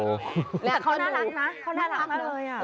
แต่เขาน่ารักนะเขาน่ารักมากเลย